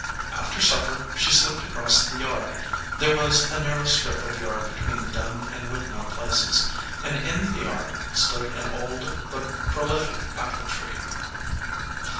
After supper she slipped across the yard; there was a narrow strip of yard between the Dunn and Whittemore places, and in the yard stood an old but prolific apple tree.